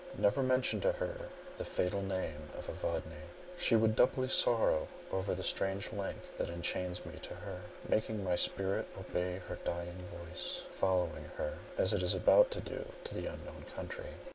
Never mention to her the fatal name of Evadne. She would doubly sorrow over the strange link that enchains me to her, making my spirit obey her dying voice, following her, as it is about to do, to the unknown country."